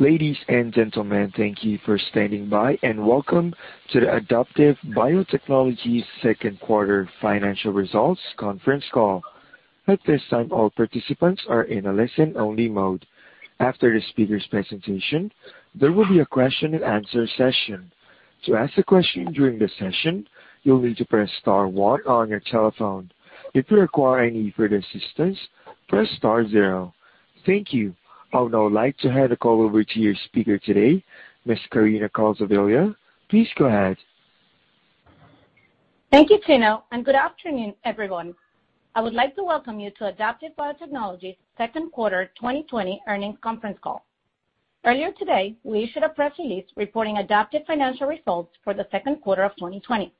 Ladies and gentlemen, thank you for standing by, and welcome to the Adaptive Biotechnologies second quarter financial results conference call. All participants are in listen-only mode. After presentation, there will be a question-and-answer session. To ask a question you will need to press star one on your telephone. If you need any assistance press star zero. Thank you. I would now like to hand the call over to your speaker today, Ms. Karina Calzadilla, please go ahead. Thank you, Keno, and good afternoon, everyone? I would like to welcome you to Adaptive Biotechnologies' second quarter 2020 earnings conference call. Earlier today, we issued a press release reporting Adaptive financial results for the second quarter of 2020.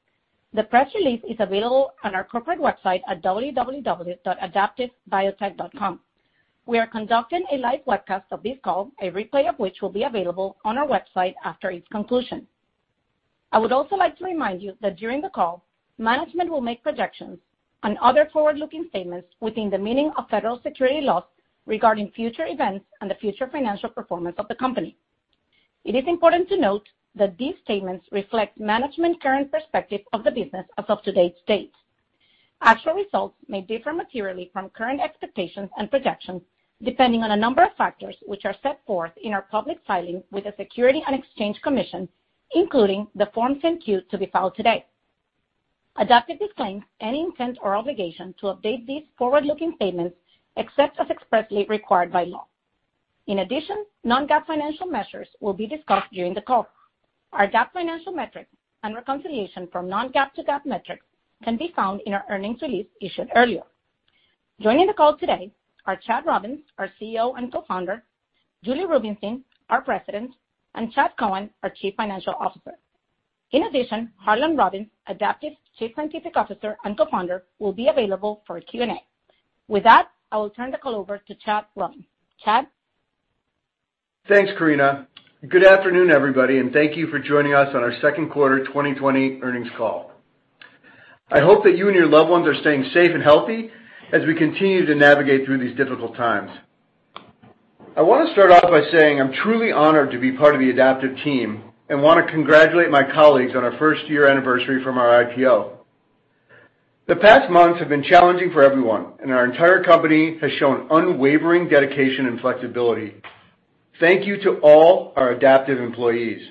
The press release is available on our corporate website at www.adaptivebiotech.com. We are conducting a live webcast of this call, a replay of which will be available on our website after its conclusion. I would also like to remind you that during the call, management will make projections and other forward-looking statements within the meaning of federal securities laws regarding future events and the future financial performance of the company. It is important to note that these statements reflect management's current perspective of the business as of today's date. Actual results may differ materially from current expectations and projections, depending on a number of factors, which are set forth in our public filing with the Securities and Exchange Commission, including the Form 10-Q to be filed today. Adaptive disclaims any intent or obligation to update these forward-looking statements except as expressly required by law. In addition, non-GAAP financial measures will be discussed during the call. Our GAAP financial metrics and reconciliation from non-GAAP to GAAP metrics can be found in our earnings release issued earlier. Joining the call today are Chad Robins, our Chief Executive Officer and Co-Founder, Julie Rubinstein, our President, and Chad Cohen, our Chief Financial Officer. In addition, Harlan Robins, Adaptive's Chief Scientific Officer and Co-Founder, will be available for a Q&A. With that, I will turn the call over to Chad Robins. Chad? Thanks, Karina. Good afternoon, everybody, and thank you for joining us on our second quarter 2020 earnings call. I hope that you and your loved ones are staying safe and healthy as we continue to navigate through these difficult times. I want to start off by saying I'm truly honored to be part of the Adaptive team and want to congratulate my colleagues on our first-year anniversary from our IPO. The past months have been challenging for everyone, and our entire company has shown unwavering dedication and flexibility. Thank you to all our Adaptive employees.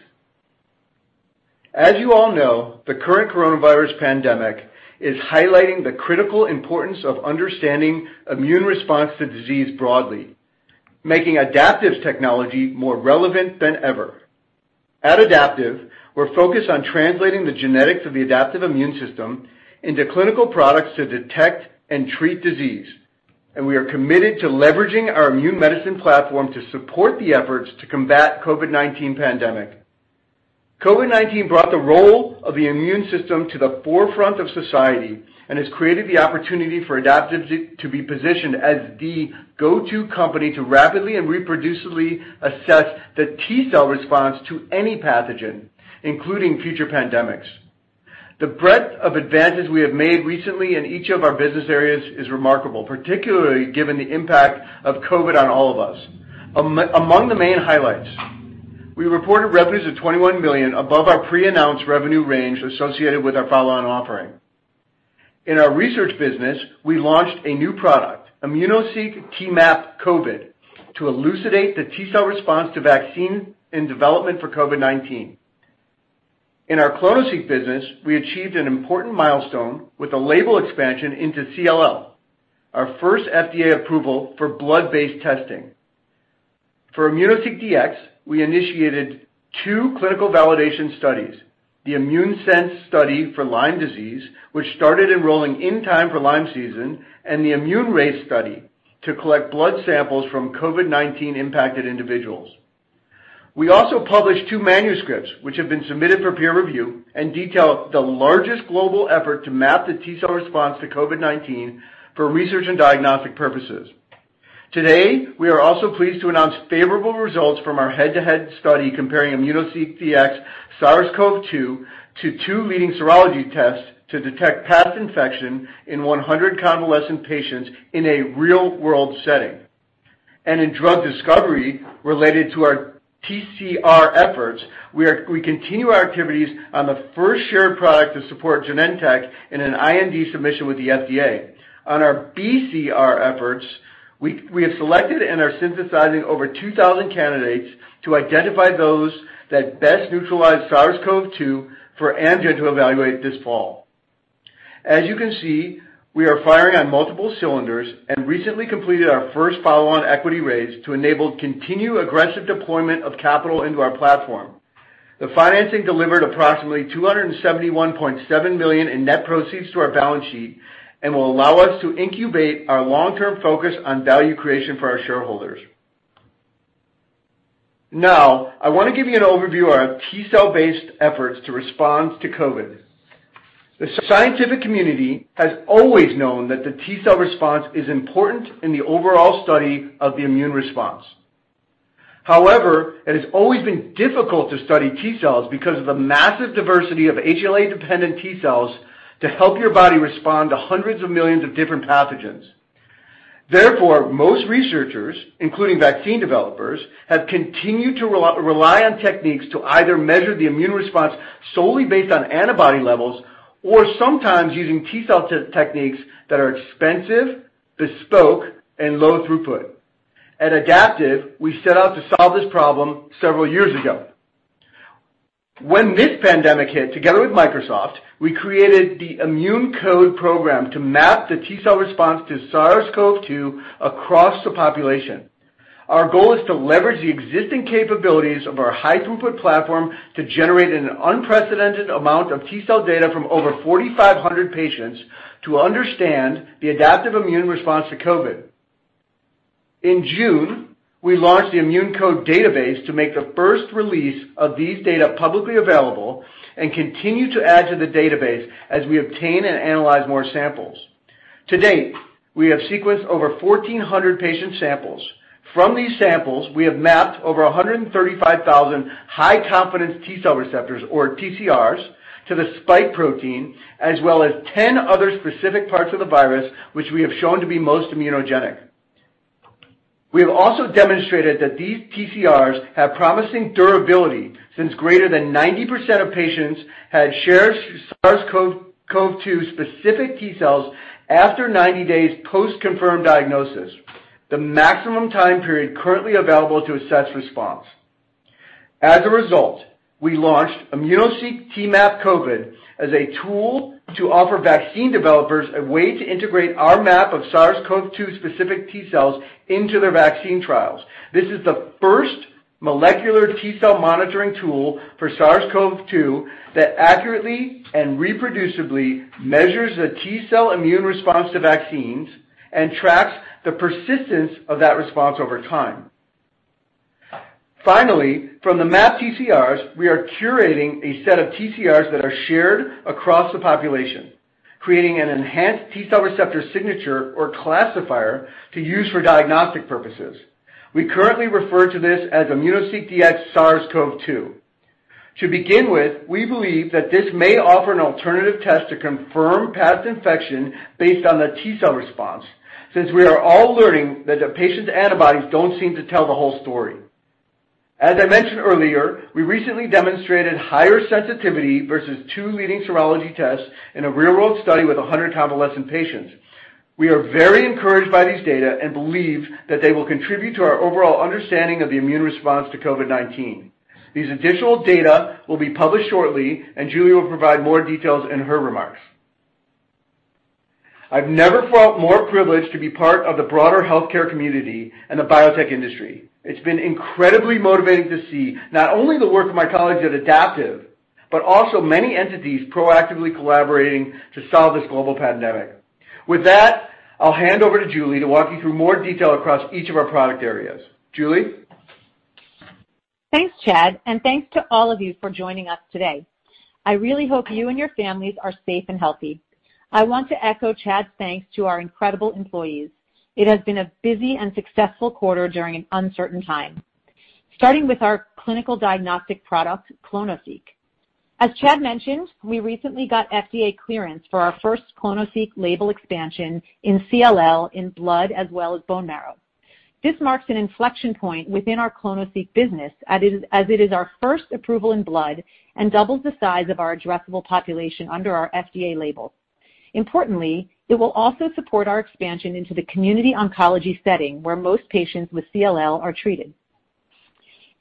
As you all know, the current coronavirus pandemic is highlighting the critical importance of understanding immune response to disease broadly, making Adaptive's technology more relevant than ever. At Adaptive, we're focused on translating the genetics of the adaptive immune system into clinical products to detect and treat disease, and we are committed to leveraging our immune medicine platform to support the efforts to combat COVID-19 pandemic. COVID-19 brought the role of the immune system to the forefront of society and has created the opportunity for Adaptive to be positioned as the go-to company to rapidly and reproducibly assess the T-cell response to any pathogen, including future pandemics. The breadth of advances we have made recently in each of our business areas is remarkable, particularly given the impact of COVID on all of us. Among the main highlights, we reported revenues of $21 million above our pre-announced revenue range associated with our follow-on offering. In our research business, we launched a new product, immunoSEQ T-MAP COVID, to elucidate the T-cell response to vaccine and development for COVID-19. In our clonoSEQ business, we achieved an important milestone with a label expansion into CLL, our first FDA approval for blood-based testing. For immunoSEQ Dx, we initiated two clinical validation studies, the ImmuneSense study for Lyme disease, which started enrolling in time for Lyme season, and the ImmuneRACE study to collect blood samples from COVID-19 impacted individuals. We also published two manuscripts, which have been submitted for peer review and detail the largest global effort to map the T-cell response to COVID-19 for research and diagnostic purposes. Today, we are also pleased to announce favorable results from our head-to-head study comparing immunoSEQ Dx SARS-CoV-2 to two leading serology tests to detect past infection in 100 convalescent patients in a real-world setting. In drug discovery related to our TCR efforts, we continue our activities on the first shared product to support Genentech in an IND submission with the FDA. On our BCR efforts, we have selected and are synthesizing over 2,000 candidates to identify those that best neutralize SARS-CoV-2 for Amgen to evaluate this fall. As you can see, we are firing on multiple cylinders and recently completed our first follow-on equity raise to enable continued aggressive deployment of capital into our platform. The financing delivered approximately $271.7 million in net proceeds to our balance sheet and will allow us to incubate our long-term focus on value creation for our shareholders. I want to give you an overview of our T-cell based efforts to respond to COVID. The scientific community has always known that the T-cell response is important in the overall study of the immune response. However, it has always been difficult to study T cells because of the massive diversity of HLA-dependent T cells to help your body respond to hundreds of millions of different pathogens. Therefore, most researchers, including vaccine developers, have continued to rely on techniques to either measure the immune response solely based on antibody levels or sometimes using T cell techniques that are expensive, bespoke, and low throughput. At Adaptive, we set out to solve this problem several years ago. When this pandemic hit, together with Microsoft, we created the ImmuneCODE program to map the T cell response to SARS-CoV-2 across the population. Our goal is to leverage the existing capabilities of our high throughput platform to generate an unprecedented amount of T cell data from over 4,500 patients to understand the adaptive immune response to COVID. In June, we launched the ImmuneCODE database to make the first release of these data publicly available and continue to add to the database as we obtain and analyze more samples. To date, we have sequenced over 1,400 patient samples. From these samples, we have mapped over 135,000 high-confidence T-cell receptors, or TCRs, to the spike protein, as well as 10 other specific parts of the virus, which we have shown to be most immunogenic. We have also demonstrated that these TCRs have promising durability, since greater than 90% of patients had shared SARS-CoV-2 specific T cells after 90 days post-confirmed diagnosis, the maximum time period currently available to assess response. As a result, we launched immunoSEQ T-MAP COVID as a tool to offer vaccine developers a way to integrate our map of SARS-CoV-2 specific T cells into their vaccine trials. This is the first molecular T-cell monitoring tool for SARS-CoV-2 that accurately and reproducibly measures the T-cell immune response to vaccines and tracks the persistence of that response over time. From the mapped TCRs, we are curating a set of TCRs that are shared across the population, creating an enhanced T-cell receptor signature or classifier to use for diagnostic purposes. We currently refer to this as immunoSEQ Dx SARS-CoV-2. To begin with, we believe that this may offer an alternative test to confirm past infection based on the T-cell response, since we are all learning that the patient's antibodies don't seem to tell the whole story. As I mentioned earlier, we recently demonstrated higher sensitivity versus two leading serology tests in a real-world study with 100 convalescent patients. We are very encouraged by these data and believe that they will contribute to our overall understanding of the immune response to COVID-19. These additional data will be published shortly, and Julie will provide more details in her remarks. I've never felt more privileged to be part of the broader healthcare community and the biotech industry. It's been incredibly motivating to see not only the work of my colleagues at Adaptive, but also many entities proactively collaborating to solve this global pandemic. With that, I'll hand over to Julie to walk you through more detail across each of our product areas. Julie? Thanks, Chad, and thanks to all of you for joining us today. I really hope you and your families are safe and healthy. I want to echo Chad's thanks to our incredible employees. It has been a busy and successful quarter during an uncertain time. Starting with our clinical diagnostic product, clonoSEQ. As Chad mentioned, we recently got FDA clearance for our first clonoSEQ label expansion in CLL in blood as well as bone marrow. This marks an inflection point within our clonoSEQ business, as it is our first approval in blood and doubles the size of our addressable population under our FDA label. Importantly, it will also support our expansion into the community oncology setting, where most patients with CLL are treated.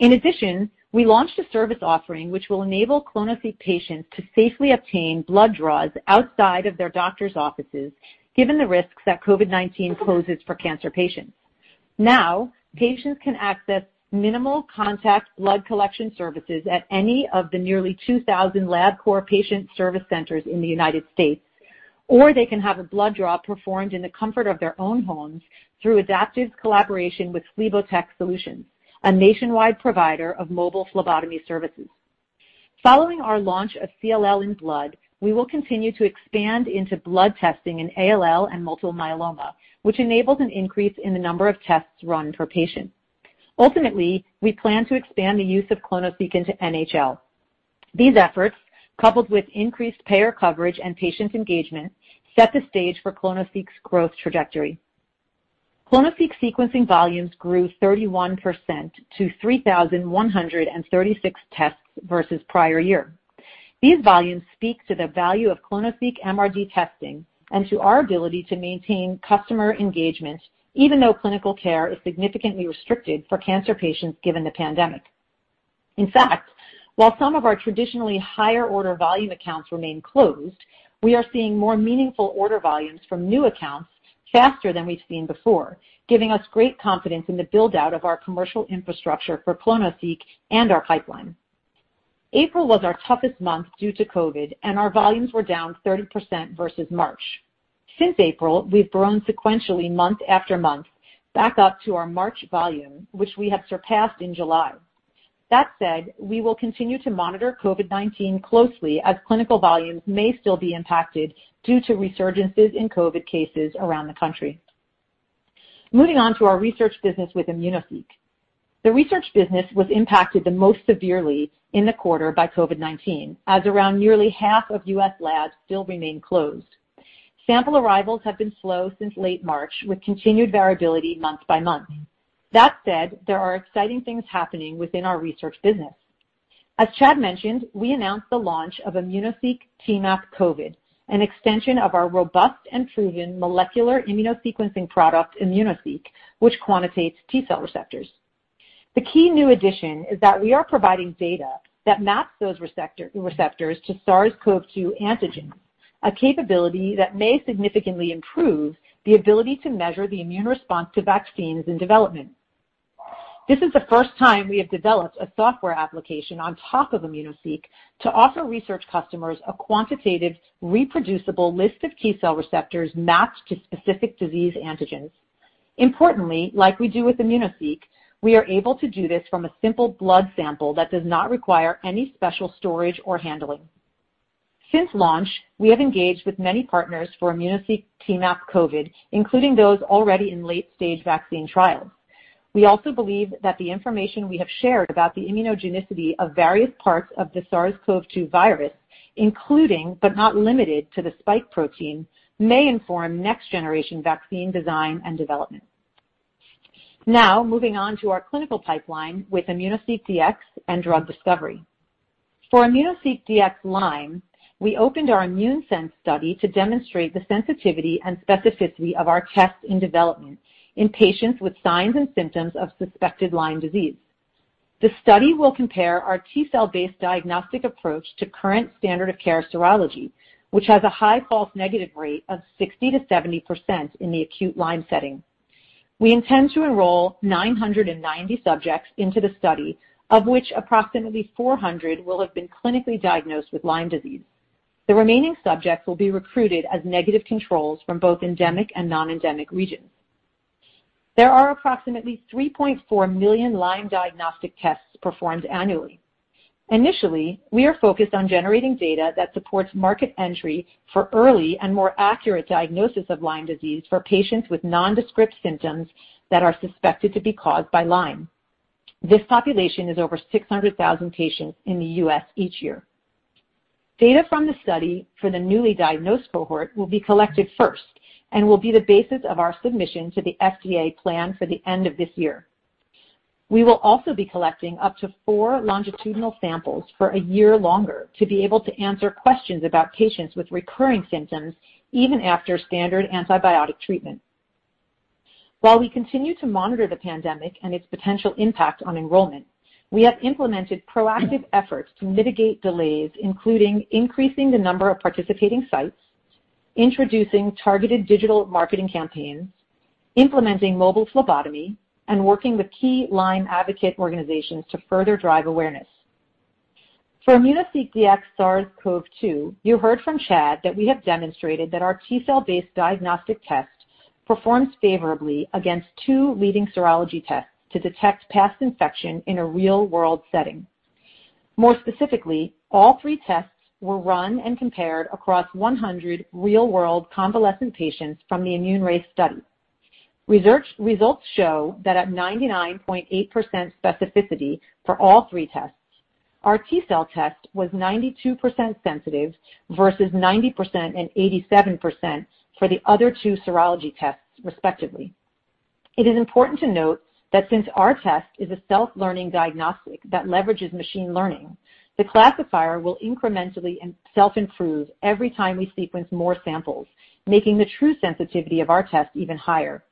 In addition, we launched a service offering, which will enable clonoSEQ patients to safely obtain blood draws outside of their doctor's offices, given the risks that COVID-19 poses for cancer patients. Now, patients can access minimal contact blood collection services at any of the nearly 2,000 Labcorp patient service centers in the U.S. Or they can have a blood draw performed in the comfort of their own homes through Adaptive's collaboration with Phlebotek Solutions, a nationwide provider of mobile phlebotomy services. Following our launch of CLL in blood, we will continue to expand into blood testing in ALL and multiple myeloma, which enables an increase in the number of tests run per patient. Ultimately, we plan to expand the use of clonoSEQ into NHL. These efforts, coupled with increased payer coverage and patient engagement, set the stage for clonoSEQ's growth trajectory. ClonoSEQ sequencing volumes grew 31% to 3,136 tests versus prior year. These volumes speak to the value of clonoSEQ MRD testing and to our ability to maintain customer engagement, even though clinical care is significantly restricted for cancer patients given the pandemic. While some of our traditionally higher order volume accounts remain closed, we are seeing more meaningful order volumes from new accounts faster than we've seen before, giving us great confidence in the build-out of our commercial infrastructure for clonoSEQ and our pipeline. April was our toughest month due to COVID-19, our volumes were down 30% versus March. Since April, we've grown sequentially month after month back up to our March volume, which we have surpassed in July. We will continue to monitor COVID-19 closely as clinical volumes may still be impacted due to resurgences in COVID-19 cases around the country. Moving on to our research business with immunoSEQ. The research business was impacted the most severely in the quarter by COVID-19, as around nearly half of U.S. labs still remain closed. Sample arrivals have been slow since late March, with continued variability month by month. There are exciting things happening within our research business. As Chad mentioned, we announced the launch of immunoSEQ T-MAP COVID, an extension of our robust and proven molecular immunosequencing product, immunoSEQ, which quantitates T-cell receptors. The key new addition is that we are providing data that maps those receptors to SARS-CoV-2 antigens, a capability that may significantly improve the ability to measure the immune response to vaccines in development. This is the first time we have developed a software application on top of immunoSEQ to offer research customers a quantitative, reproducible list of T-cell receptors mapped to specific disease antigens. Importantly, like we do with immunoSEQ, we are able to do this from a simple blood sample that does not require any special storage or handling. Since launch, we have engaged with many partners for immunoSEQ T-MAP COVID, including those already in late-stage vaccine trials. We also believe that the information we have shared about the immunogenicity of various parts of the SARS-CoV-2 virus, including, but not limited to, the spike protein, may inform next-generation vaccine design and development. Now, moving on to our clinical pipeline with immunoSEQ Dx and drug discovery. For immunoSEQ Dx Lyme, we opened our ImmuneSense study to demonstrate the sensitivity and specificity of our test in development in patients with signs and symptoms of suspected Lyme disease. The study will compare our T-cell based diagnostic approach to current standard of care serology, which has a high false negative rate of 60%-70% in the acute Lyme setting. We intend to enroll 990 subjects into the study, of which approximately 400 subjects will have been clinically diagnosed with Lyme disease. The remaining subjects will be recruited as negative controls from both endemic and non-endemic regions. There are approximately 3.4 million Lyme diagnostic tests performed annually. Initially, we are focused on generating data that supports market entry for early and more accurate diagnosis of Lyme disease for patients with nondescript symptoms that are suspected to be caused by Lyme. This population is over 600,000 patients in the U.S. each year. Data from the study for the newly diagnosed cohort will be collected first and will be the basis of our submission to the FDA plan for the end of this year. We will also be collecting up to four longitudinal samples for a year longer to be able to answer questions about patients with recurring symptoms, even after standard antibiotic treatment. While we continue to monitor the pandemic and its potential impact on enrollment, we have implemented proactive efforts to mitigate delays, including increasing the number of participating sites, introducing targeted digital marketing campaigns, implementing mobile phlebotomy, and working with key Lyme advocate organizations to further drive awareness. For immunoSEQ Dx SARS-CoV-2, you heard from Chad that we have demonstrated that our T cell-based diagnostic test performs favorably against two leading serology tests to detect past infection in a real-world setting. More specifically, all three tests were run and compared across 100 real-world convalescent patients from the ImmuneRACE study. Results show that at 99.8% specificity for all three tests, our T cell test was 92% sensitive versus 90% and 87% for the other two serology tests, respectively. It is important to note that since our test is a self-learning diagnostic that leverages machine learning, the classifier will incrementally self-improve every time we sequence more samples, making the true sensitivity of our test even higher.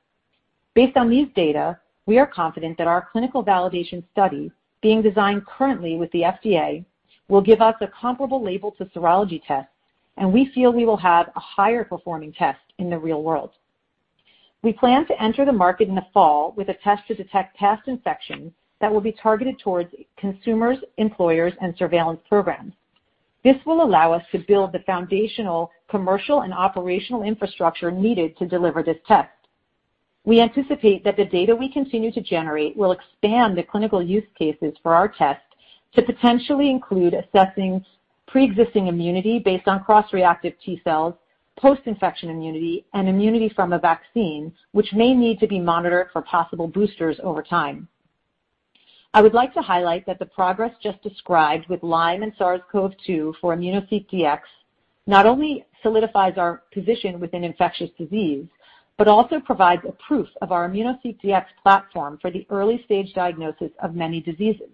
Based on these data, we are confident that our clinical validation study, being designed currently with the FDA, will give us a comparable label to serology tests, and we feel we will have a higher performing test in the real world. We plan to enter the market in the fall with a test to detect past infection that will be targeted towards consumers, employers, and surveillance programs. This will allow us to build the foundational commercial and operational infrastructure needed to deliver this test. We anticipate that the data we continue to generate will expand the clinical use cases for our test to potentially include assessing preexisting immunity based on cross-reactive T cells, post-infection immunity, and immunity from a vaccine, which may need to be monitored for possible boosters over time. I would like to highlight that the progress just described with Lyme and SARS-CoV-2 for immunoSEQ Dx not only solidifies our position within infectious disease, but also provides a proof of our immunoSEQ Dx platform for the early-stage diagnosis of many diseases.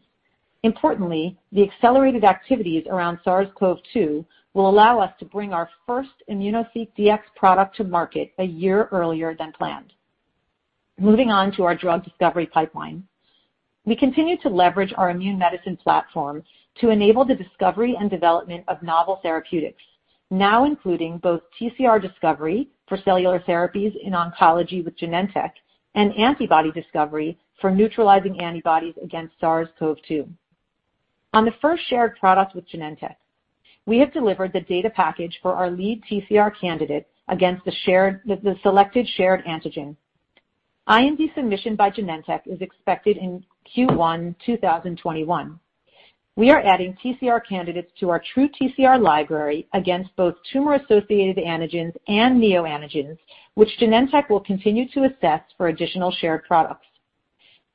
Importantly, the accelerated activities around SARS-CoV-2 will allow us to bring our first immunoSEQ Dx product to market a year earlier than planned. Moving on to our drug discovery pipeline. We continue to leverage our immune medicine platform to enable the discovery and development of novel therapeutics, now including both TCR discovery for cellular therapies in oncology with Genentech and antibody discovery for neutralizing antibodies against SARS-CoV-2. On the first shared product with Genentech, we have delivered the data package for our lead TCR candidate against the selected shared antigen. IND submission by Genentech is expected in Q1 2021. We are adding TCR candidates to our TruTCR library against both tumor-associated antigens and neoantigens, which Genentech will continue to assess for additional shared products.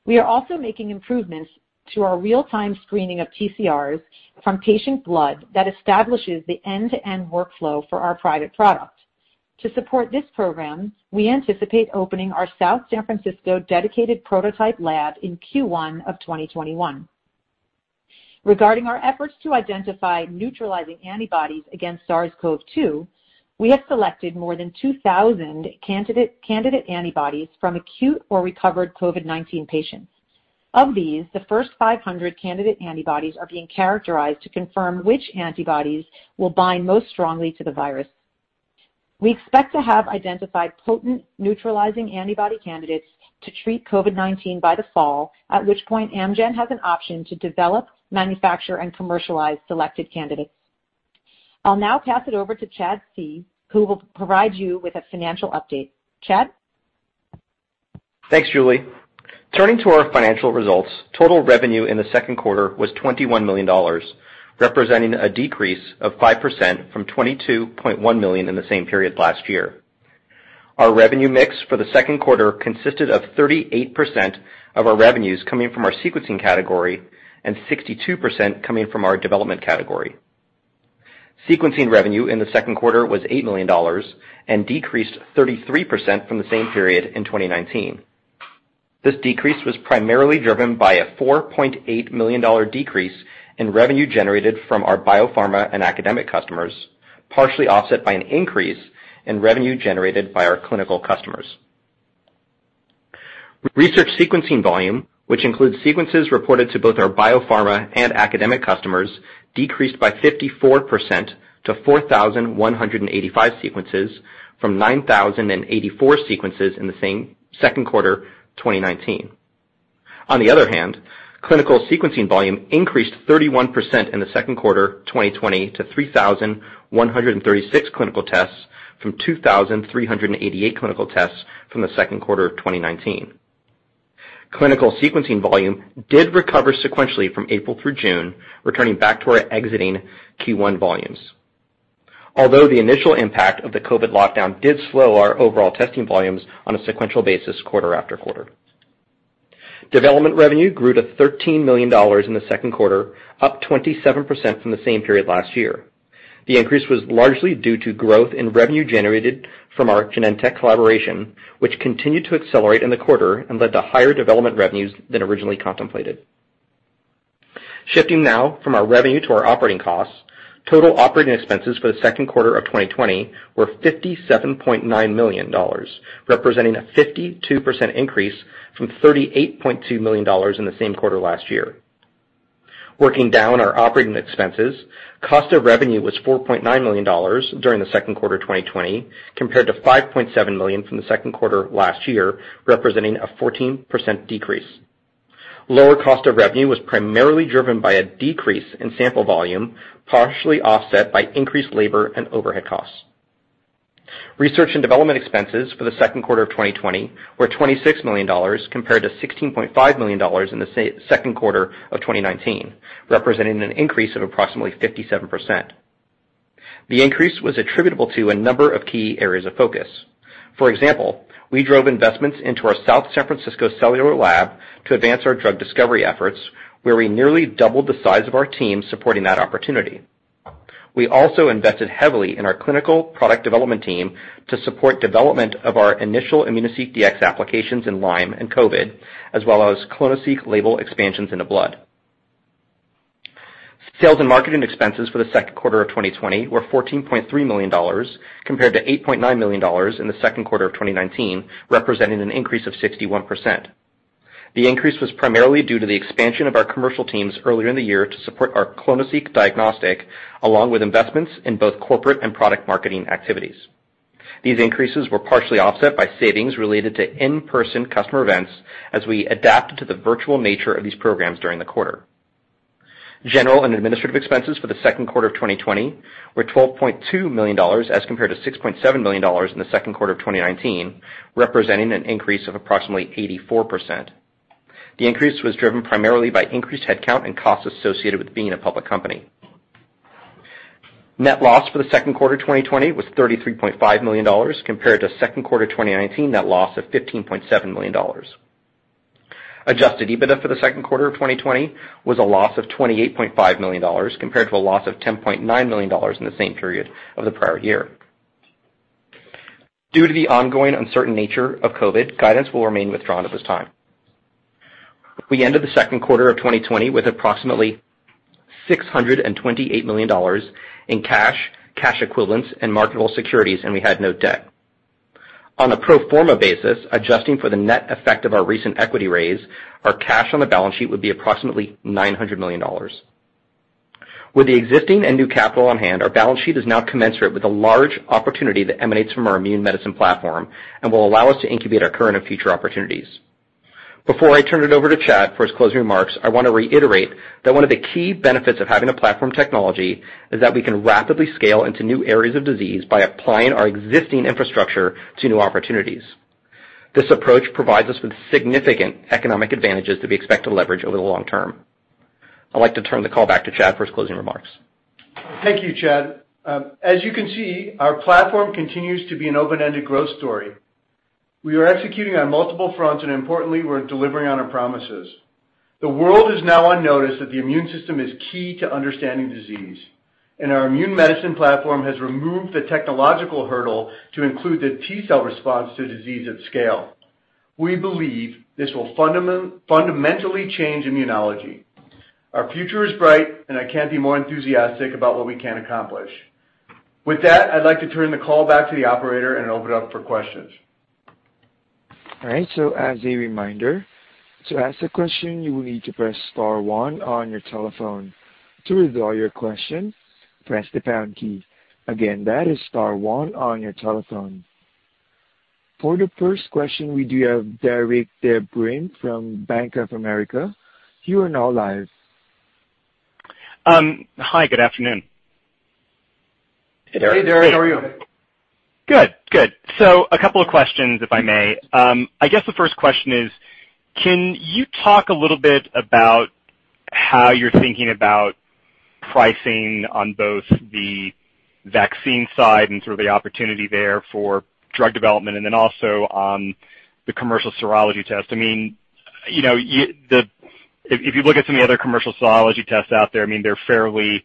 We are also making improvements to our real-time screening of TCRs from patient blood that establishes the end-to-end workflow for our private product. To support this program, we anticipate opening our South San Francisco dedicated prototype lab in Q1 of 2021. Regarding our efforts to identify neutralizing antibodies against SARS-CoV-2, we have selected more than 2,000 candidate antibodies from acute or recovered COVID-19 patients. Of these, the first 500 candidate antibodies are being characterized to confirm which antibodies will bind most strongly to the virus. We expect to have identified potent neutralizing antibody candidates to treat COVID-19 by the fall, at which point Amgen has an option to develop, manufacture, and commercialize selected candidates. I'll now pass it over to Chad Cohen, who will provide you with a financial update. Chad? Thanks, Julie. Turning to our financial results, total revenue in the second quarter was $21 million, representing a decrease of 5% from $22.1 million in the same period last year. Our revenue mix for the second quarter consisted of 38% of our revenues coming from our sequencing category and 62% coming from our development category. Sequencing revenue in the second quarter was $8 million and decreased 33% from the same period in 2019. This decrease was primarily driven by a $4.8 million decrease in revenue generated from our biopharma and academic customers, partially offset by an increase in revenue generated by our clinical customers. Research sequencing volume, which includes sequences reported to both our biopharma and academic customers, decreased by 54% to 4,185 sequences from 9,084 sequences in the same second quarter 2019. On the other hand, clinical sequencing volume increased 31% in the second quarter 2020 to 3,136 clinical tests from 2,388 clinical tests from the second quarter of 2019. Clinical sequencing volume did recover sequentially from April through June, returning back to our exiting Q1 volumes. The initial impact of the COVID lockdown did slow our overall testing volumes on a sequential basis quarter after quarter. Development revenue grew to $13 million in the second quarter, up 27% from the same period last year. The increase was largely due to growth in revenue generated from our Genentech collaboration, which continued to accelerate in the quarter and led to higher development revenues than originally contemplated. Shifting now from our revenue to our operating costs, total operating expenses for the second quarter of 2020 were $57.9 million, representing a 52% increase from $38.2 million in the same quarter last year. Working down our operating expenses, cost of revenue was $4.9 million during the second quarter 2020 compared to $5.7 million from the second quarter of last year, representing a 14% decrease. Lower cost of revenue was primarily driven by a decrease in sample volume, partially offset by increased labor and overhead costs. Research and development expenses for the second quarter of 2020 were $26 million compared to $16.5 million in the second quarter of 2019, representing an increase of approximately 57%. The increase was attributable to a number of key areas of focus. For example, we drove investments into our South San Francisco cellular lab to advance our drug discovery efforts, where we nearly doubled the size of our team supporting that opportunity. We also invested heavily in our clinical product development team to support development of our initial immunoSEQ Dx applications in Lyme and COVID, as well as clonoSEQ label expansions into blood. Sales and marketing expenses for the second quarter of 2020 were $14.3 million, compared to $8.9 million in the second quarter of 2019, representing an increase of 61%. The increase was primarily due to the expansion of our commercial teams earlier in the year to support our clonoSEQ diagnostic, along with investments in both corporate and product marketing activities. These increases were partially offset by savings related to in-person customer events as we adapted to the virtual nature of these programs during the quarter. General and administrative expenses for the second quarter of 2020 were $12.2 million, as compared to $6.7 million in the second quarter of 2019, representing an increase of approximately 84%. The increase was driven primarily by increased headcount and costs associated with being a public company. Net loss for the second quarter 2020 was $33.5 million, compared to second quarter 2019 net loss of $15.7 million. Adjusted EBITDA for the second quarter of 2020 was a loss of $28.5 million, compared to a loss of $10.9 million in the same period of the prior year. Due to the ongoing uncertain nature of COVID, guidance will remain withdrawn at this time. We ended the second quarter of 2020 with approximately $628 million in cash equivalents, and marketable securities, and we had no debt. On a pro forma basis, adjusting for the net effect of our recent equity raise, our cash on the balance sheet would be approximately $900 million. With the existing and new capital on hand, our balance sheet is now commensurate with the large opportunity that emanates from our immune medicine platform and will allow us to incubate our current and future opportunities. Before I turn it over to Chad for his closing remarks, I want to reiterate that one of the key benefits of having a platform technology is that we can rapidly scale into new areas of disease by applying our existing infrastructure to new opportunities. This approach provides us with significant economic advantages that we expect to leverage over the long term. I'd like to turn the call back to Chad for his closing remarks. Thank you, Chad. As you can see, our platform continues to be an open-ended growth story. We are executing on multiple fronts, and importantly, we're delivering on our promises. The world is now on notice that the immune system is key to understanding disease, and our immune medicine platform has removed the technological hurdle to include the T-cell response to disease at scale. We believe this will fundamentally change immunology. Our future is bright, and I can't be more enthusiastic about what we can accomplish. With that, I'd like to turn the call back to the operator and open it up for questions. All right, as a reminder, to ask a question, you will need to press star one on your telephone. To withdraw your question, press the pound key. Again, that is star one on your telephone. For the first question, we do have Derik De Bruin from Bank of America, you are now live. Hi, good afternoon? Hey, Derik. How are you? Good. A couple of questions, if I may. I guess the first question is, can you talk a little bit about how you're thinking about pricing on both the vaccine side and the opportunity there for drug development and then also on the commercial serology test? If you look at some of the other commercial serology tests out there, they're fairly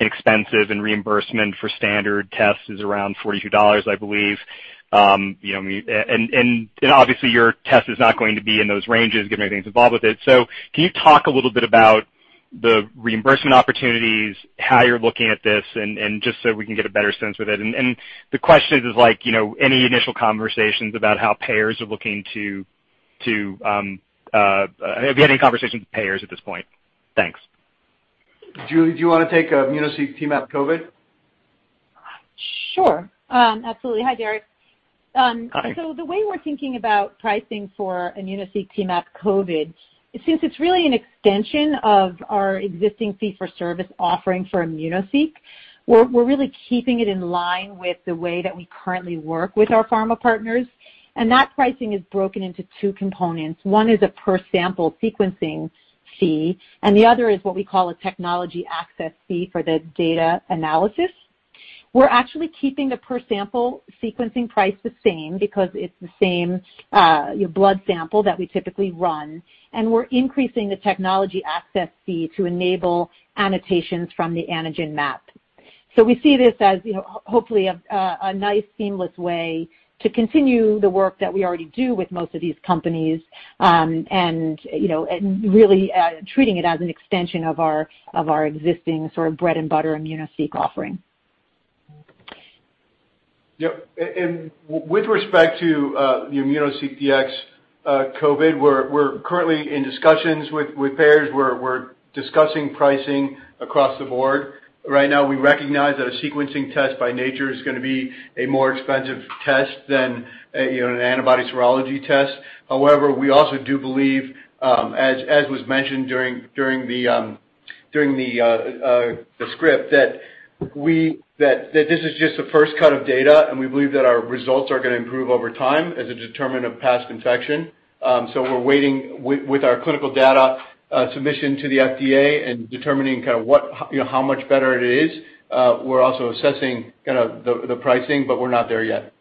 inexpensive, and reimbursement for standard tests is around $42, I believe. Obviously, your test is not going to be in those ranges given everything that's involved with it. Can you talk a little bit about the reimbursement opportunities, how you're looking at this, and just so we can get a better sense with it. The question is, any initial conversations about how payers are looking to? Have you had any conversations with payers at this point? Thanks. Julie, do you want to take immunoSEQ T-MAP COVID? Sure. Absolutely. Hi, Derik? Hi. The way we're thinking about pricing for immunoSEQ T-MAP COVID, since it's really an extension of our existing fee-for-service offering for immunoSEQ, we're really keeping it in line with the way that we currently work with our pharma partners, and that pricing is broken into two components. One is a per sample sequencing fee, and the other is what we call a technology access fee for the data analysis. We're actually keeping the per sample sequencing price the same because it's the same blood sample that we typically run, and we're increasing the technology access fee to enable annotations from the antigen map. We see this as hopefully a nice seamless way to continue the work that we already do with most of these companies, and really treating it as an extension of our existing sort of bread and butter immunoSEQ offering. Yep. With respect to the immunoSEQ Dx COVID, we're currently in discussions with payers. We're discussing pricing across the board. Right now, we recognize that a sequencing test by nature is going to be a more expensive test than an antibody serology test. However, we also do believe, as was mentioned during the script, that this is just the first cut of data, and we believe that our results are going to improve over time as a determinant of past infection. We're waiting with our clinical data submission to the FDA and determining how much better it is. We're also assessing the pricing, but we're not there yet.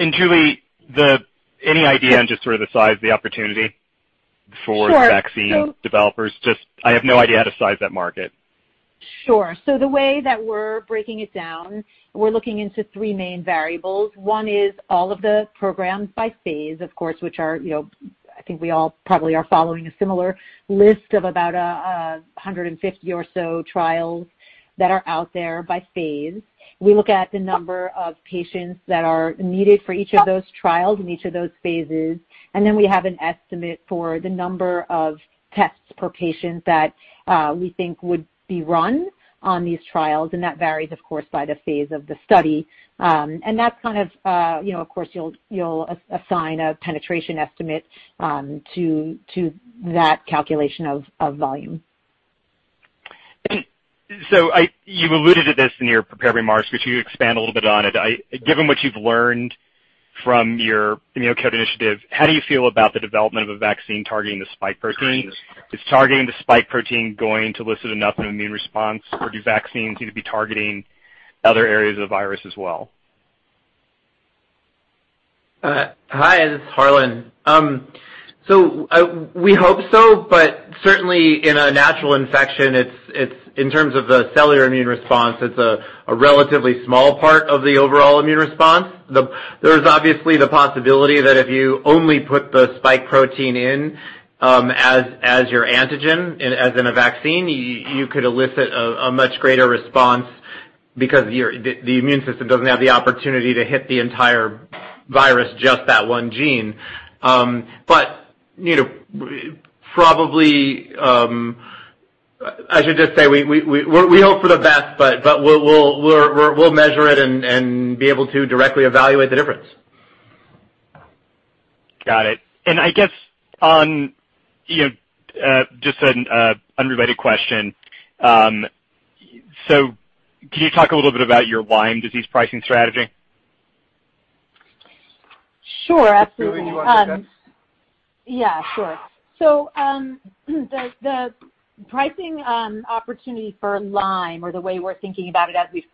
Julie, any idea on just sort of the size of the opportunity for vaccine developers? Just I have no idea how to size that market. Sure. The way that we're breaking it down, we're looking into three main variables. One is all of the programs by phase, of course, which are, I think we all probably are following a similar list of about 150 or so trials that are out there by phase. We look at the number of patients that are needed for each of those trials in each of those phases. We have an estimate for the number of tests per patient that we think would be run on these trials, and that varies, of course, by the phase of the study. That's kind of course, you'll assign a penetration estimate to that calculation of volume. You alluded to this in your prepared remarks, could you expand a little bit on it? Given what you've learned from your ImmuneCODE initiative, how do you feel about the development of a vaccine targeting the spike protein? Is targeting the spike protein going to elicit enough of an immune response, or do vaccines need to be targeting other areas of the virus as well? Hi, this is Harlan. We hope so, but certainly in a natural infection, in terms of the cellular immune response, it's a relatively small part of the overall immune response. There's obviously the possibility that if you only put the spike protein in as your antigen, as in a vaccine, you could elicit a much greater response because the immune system doesn't have the opportunity to hit the entire virus, just that one gene. Probably, I should just say we hope for the best, but we'll measure it and be able to directly evaluate the difference. Got it. I guess, just an unrelated question. Can you talk a little bit about your Lyme disease pricing strategy? Sure, absolutely. Julie, do you want to take that? Yeah, sure. The pricing opportunity for Lyme or the way we're thinking about it as we've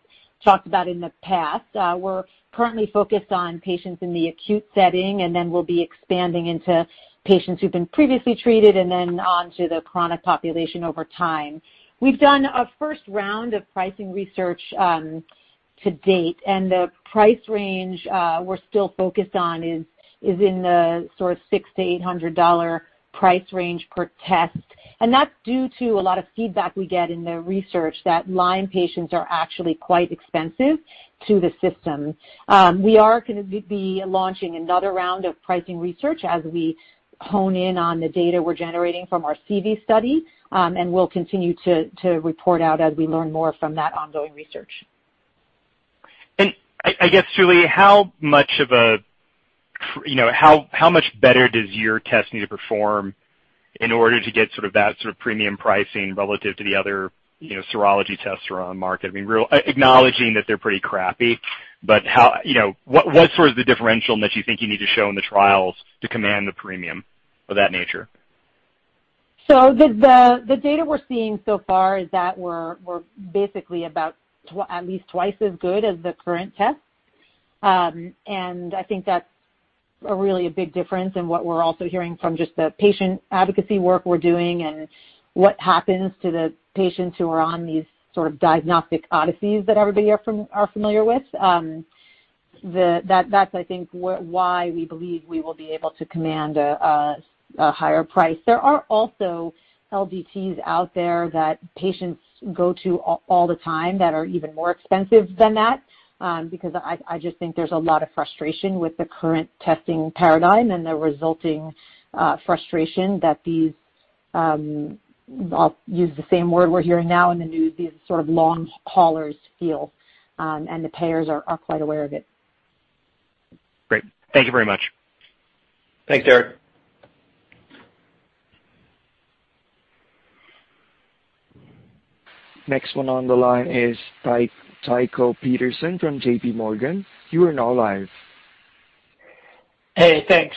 talked about in the past, we're currently focused on patients in the acute setting, then we'll be expanding into patients who've been previously treated, and then on to the chronic population over time. We've done a first round of pricing research to date, and the price range we're still focused on is in the sort of $600-$800 price range per test. That's due to a lot of feedback we get in the research that Lyme patients are actually quite expensive to the system. We are going to be launching another round of pricing research as we hone in on the data we're generating from our CV study, and we'll continue to report out as we learn more from that ongoing research. I guess, Julie, how much better does your test need to perform in order to get that sort of premium pricing relative to the other serology tests that are on the market? Acknowledging that they're pretty crappy, what's the differential that you think you need to show in the trials to command the premium of that nature? The data we're seeing so far is that we're basically about at least twice as good as the current test. I think that's really a big difference in what we're also hearing from just the patient advocacy work we're doing and what happens to the patients who are on these sort of diagnostic odysseys that everybody are familiar with. That's, I think, why we believe we will be able to command a higher price. There are also LDTs out there that patients go to all the time that are even more expensive than that, because I just think there's a lot of frustration with the current testing paradigm and the resulting frustration that these, I'll use the same word we're hearing now in the news, these sort of long haulers feel, and the payers are quite aware of it. Great. Thank you very much. Thanks, Derik. Next one on the line is Tycho Peterson from JPMorgan, you are now live. Hey, thanks.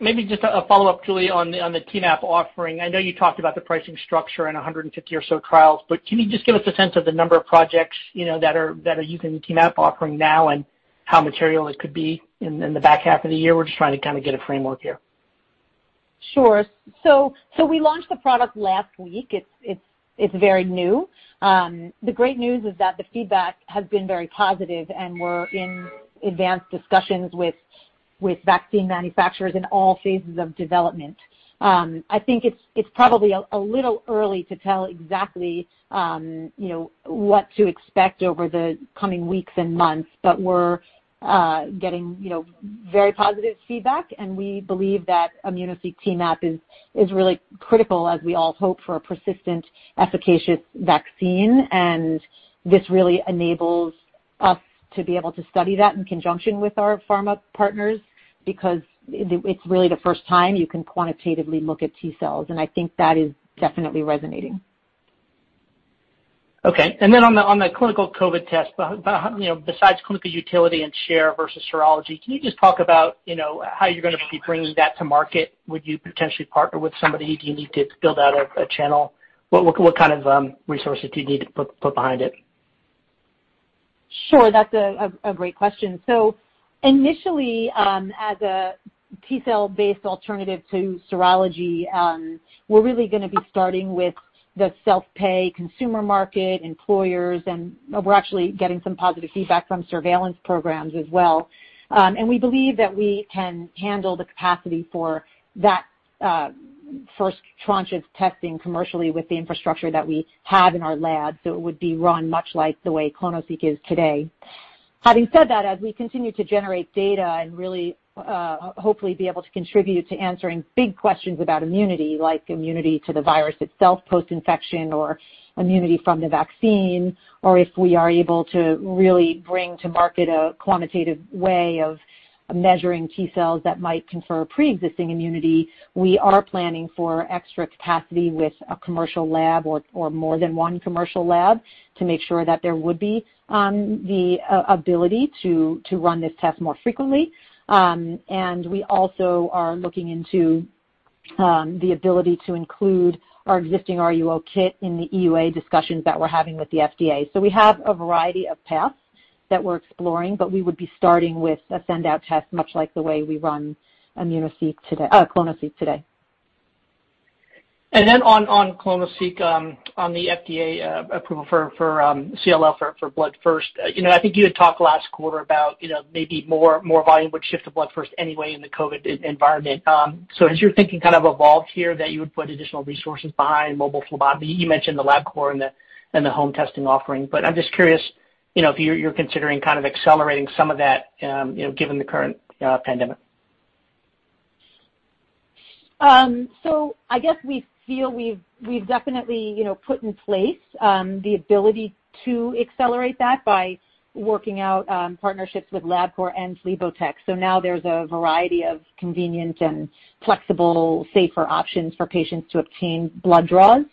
Maybe just a follow-up, Julie, on the T-Map offering. I know you talked about the pricing structure and 150 or so trials, can you just give us a sense of the number of projects that are using T-Map offering now and how material it could be in the back half of the year? We're just trying to get a framework here. Sure. We launched the product last week. It's very new. The great news is that the feedback has been very positive, and we're in advanced discussions with vaccine manufacturers in all phases of development. I think it's probably a little early to tell exactly what to expect over the coming weeks and months, but we're getting very positive feedback, and we believe that immunoSEQ T-MAP is really critical as we all hope for a persistent, efficacious vaccine. This really enables us to be able to study that in conjunction with our pharma partners, because it's really the first time you can quantitatively look at T-cells, and I think that is definitely resonating. Okay. On the clinical COVID test, besides clinical utility and share versus serology, can you just talk about how you're going to be bringing that to market? Would you potentially partner with somebody? Do you need to build out a channel? What kind of resources do you need to put behind it? Sure, that's a great question. Initially, as a T-cell based alternative to serology, we're really going to be starting with the self-pay consumer market, employers, and we're actually getting some positive feedback from surveillance programs as well. We believe that we can handle the capacity for that first tranche of testing commercially with the infrastructure that we have in our lab. It would be run much like the way clonoSEQ is today. Having said that, as we continue to generate data and really hopefully be able to contribute to answering big questions about immunity, like immunity to the virus itself, post-infection or immunity from the vaccine, or if we are able to really bring to market a quantitative way of measuring T-cells that might confer pre-existing immunity, we are planning for extra capacity with a commercial lab or more than one commercial lab to make sure that there would be the ability to run this test more frequently. We also are looking into the ability to include our existing RUO kit in the EUA discussions that we're having with the FDA. We have a variety of paths that we're exploring, but we would be starting with a send out test, much like the way we run clonoSEQ today. Then on clonoSEQ, on the FDA approval for CLL for Blood First, I think you had talked last quarter about maybe more volume would shift to Blood First anyway in the COVID environment. Has your thinking evolved here that you would put additional resources behind mobile phlebotomy? You mentioned the Labcorp and the home testing offering, but I'm just curious if you're considering accelerating some of that given the current pandemic. I guess we feel we've definitely put in place the ability to accelerate that by working out partnerships with Labcorp and Phlebotek. Now there's a variety of convenient and flexible, safer options for patients to obtain blood draws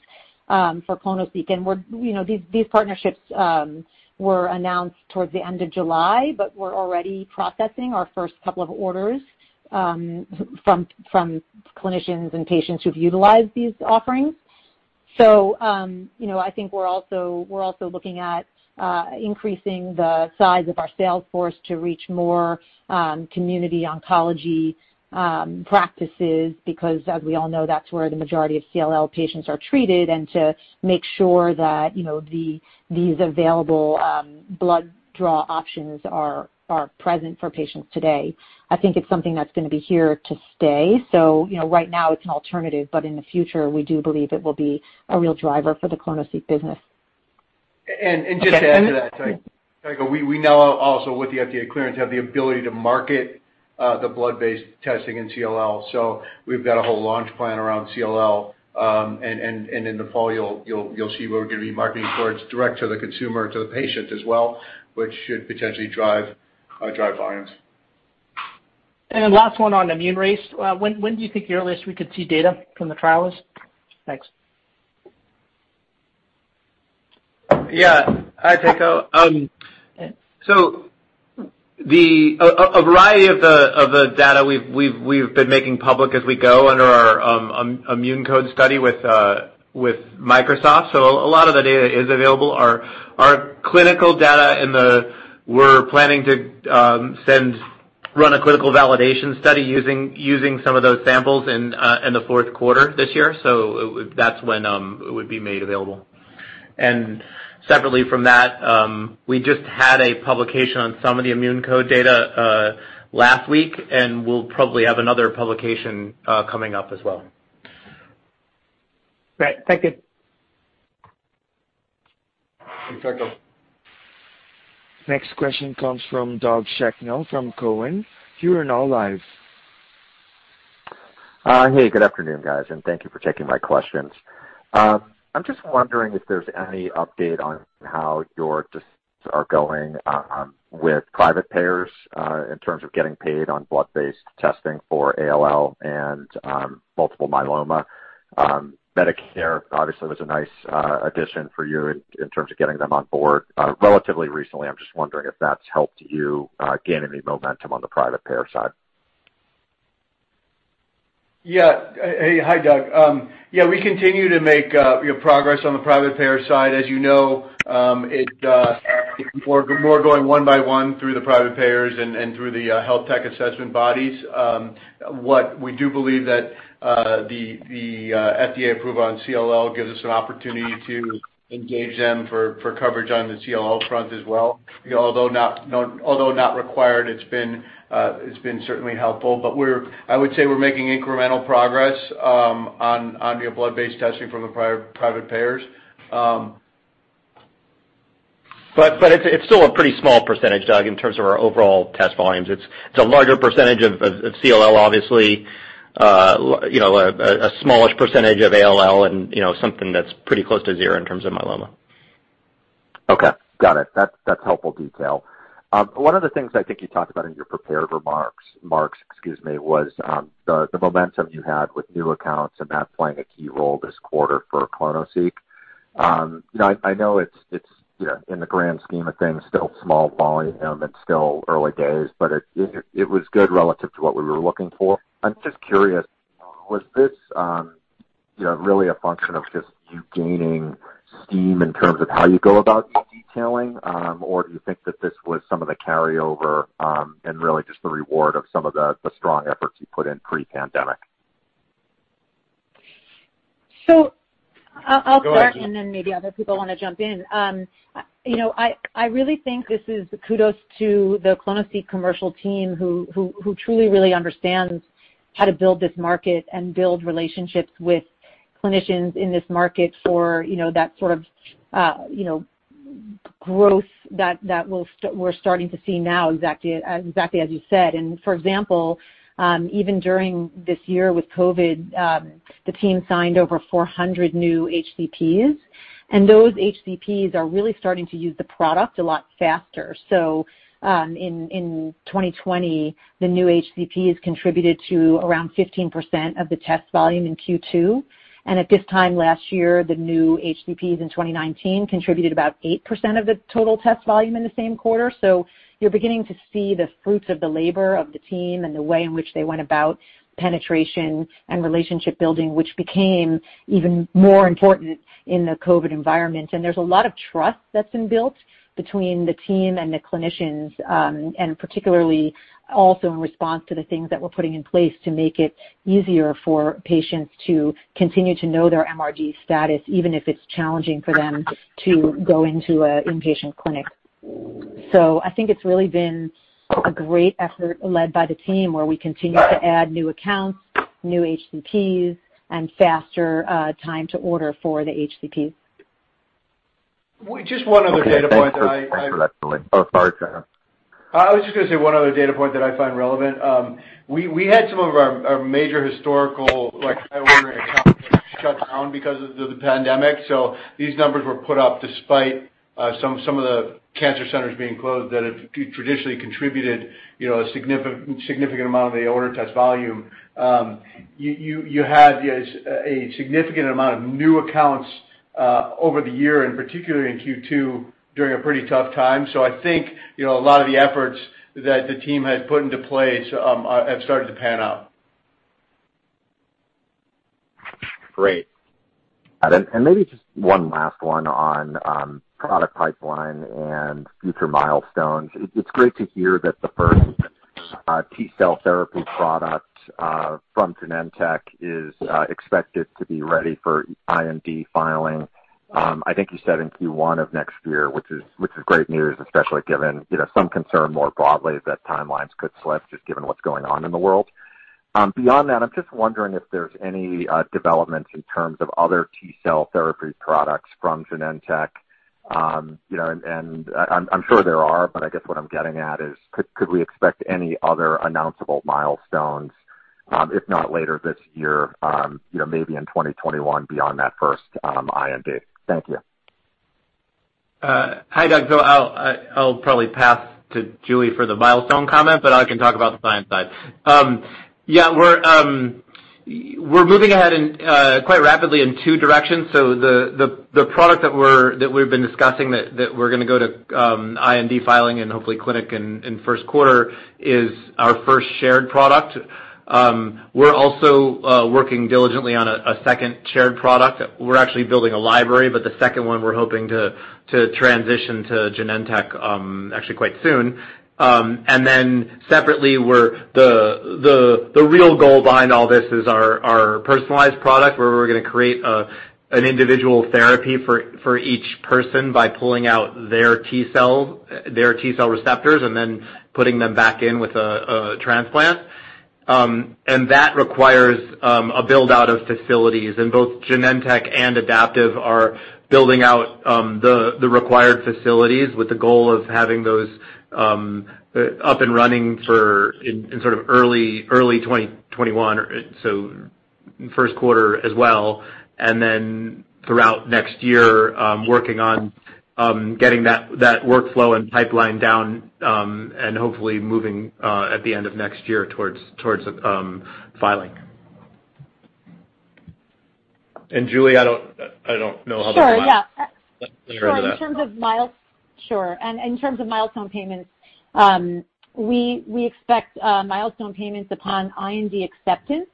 for clonoSEQ. These partnerships were announced towards the end of July, but we're already processing our first couple of orders from clinicians and patients who've utilized these offerings. I think we're also looking at increasing the size of our sales force to reach more community oncology practices, because as we all know, that's where the majority of CLL patients are treated, and to make sure that these available blood draw options are present for patients today. I think it's something that's going to be here to stay. Right now it's an alternative, but in the future, we do believe it will be a real driver for the clonoSEQ business. Just to add to that, Tycho, we now also with the FDA clearance, have the ability to market the blood-based testing in CLL. We've got a whole launch plan around CLL. In the fall, you'll see where we're going to be marketing towards direct to the consumer, to the patient as well, which should potentially drive volumes. Last one on ImmuneRACE. When do you think the earliest we could see data from the trials? Thanks. Yeah. Hi, Tycho. A variety of the data we've been making public as we go under our ImmuneCODE study with Microsoft, so a lot of the data is available. Our clinical data, we're planning to run a clinical validation study using some of those samples in the fourth quarter this year, so that's when it would be made available. Separately from that, we just had a publication on some of the ImmuneCODE data last week, and we'll probably have another publication coming up as well. Great. Thank you. Thanks, Tycho. Next question comes from Doug Schenkel from Cowen, you are now live. Hey, good afternoon, guys, and thank you for taking my questions. I'm just wondering if there's any update on how your decisions are going with private payers, in terms of getting paid on blood-based testing for ALL and multiple myeloma. Medicare obviously was a nice addition for you in terms of getting them on board relatively recently. I'm just wondering if that's helped you gain any momentum on the private payer side. Yeah. Hey. Hi, Doug. Yeah, we continue to make progress on the private payer side. As you know, we're going one by one through the private payers and through the health tech assessment bodies. What we do believe that the FDA approval on CLL gives us an opportunity to engage them for coverage on the CLL front as well. Although not required, it's been certainly helpful, but I would say we're making incremental progress on via blood-based testing from the private payers. It's still a pretty small percentage, Doug, in terms of our overall test volumes. It's a larger percentage of CLL, obviously, a smallish percentage of ALL and something that's pretty close to zero in terms of myeloma. Okay. Got it. That's helpful detail. One of the things I think you talked about in your prepared remarks was the momentum you had with new accounts and that playing a key role this quarter for clonoSEQ. I know it's, in the grand scheme of things, still small volume and still early days, but it was good relative to what we were looking for. I'm just curious, was this really a function of just you gaining steam in terms of how you go about your detailing? Do you think that this was some of the carryover, and really just the reward of some of the strong efforts you put in pre-pandemic? I'll start, and then maybe other people want to jump in. I really think this is kudos to the clonoSEQ commercial team who truly, really understands how to build this market and build relationships with clinicians in this market for that sort of growth that we're starting to see now, exactly as you said. For example, even during this year with COVID, the team signed over 400 new HCPs, and those HCPs are really starting to use the product a lot faster. In 2020, the new HCPs contributed to around 15% of the test volume in Q2. At this time last year, the new HCPs in 2019 contributed about 8% of the total test volume in the same quarter. You're beginning to see the fruits of the labor of the team and the way in which they went about penetration and relationship building, which became even more important in the COVID environment. There's a lot of trust that's been built between the team and the clinicians, and particularly also in response to the things that we're putting in place to make it easier for patients to continue to know their MRD status, even if it's challenging for them to go into an inpatient clinic. I think it's really been a great effort led by the team where we continue to add new accounts, new HCPs, and faster time to order for the HCPs. Just one other data point that. Okay, thanks for that. Oh, sorry, go ahead. I was just going to say one other data point that I find relevant. We had some of our major historical high-order accounts shut down because of the pandemic. These numbers were put up despite some of the cancer centers being closed that have traditionally contributed a significant amount of the order test volume. You had a significant amount of new accounts over the year, and particularly in Q2, during a pretty tough time. I think, a lot of the efforts that the team has put into place have started to pan out. Great. Maybe just one last one on product pipeline and future milestones. It's great to hear that the first T-cell therapy product from Genentech is expected to be ready for IND filing. I think you said in Q1 of next year, which is great news, especially given some concern more broadly that timelines could slip, just given what's going on in the world. Beyond that, I'm just wondering if there's any developments in terms of other T-cell therapy products from Genentech. I'm sure there are, but I guess what I'm getting at is, could we expect any other announceable milestones, if not later this year, maybe in 2021 beyond that first IND? Thank you. Hi, Doug. I'll probably pass to Julie for the milestone comment, but I can talk about the science side. Yeah, we're moving ahead, and quite rapidly in two directions. The product that we've been discussing that we're going to go to IND filing and hopefully clinic in first quarter is our first shared product. We're also working diligently on a second shared product. We're actually building a library, but the second one we're hoping to transition to Genentech actually quite soon. Separately, the real goal behind all this is our personalized product, where we're going to create an individual therapy for each person by pulling out their T-cell receptors, and then putting them back in with a transplant. That requires a build-out of facilities. Both Genentech and Adaptive are building out the required facilities with the goal of having those up and running in early 2021, so first quarter as well, and then throughout next year, working on getting that workflow and pipeline down, and hopefully moving, at the end of next year, towards filing. Julie, I don't know how much. Sure, yeah. You want to go into that? Sure. In terms of milestone payments, we expect milestone payments upon IND acceptance